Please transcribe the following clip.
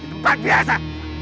di tempat biasa